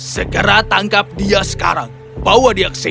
segera tangkap dia sekarang bawa dia ke sini